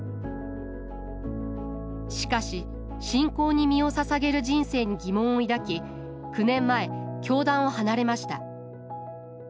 しかし信仰に身をささげる人生に疑問を抱き９年前教団を離れました。